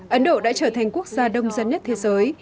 ấn độ đã trở thành quốc gia đông dân nhất thế giới